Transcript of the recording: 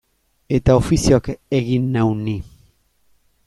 Eta ofizioak egin nau ni.